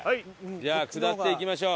じゃあ下っていきましょう。